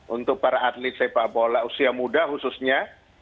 untuk para atlet sepak bola usia muda khususnya